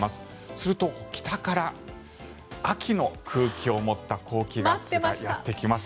すると、北から秋の空気を持った高気圧がやってきます。